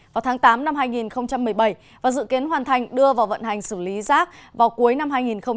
vào tháng tám năm hai nghìn một mươi bảy và dự kiến hoàn thành đưa vào vận hành xử lý rác vào cuối năm hai nghìn một mươi chín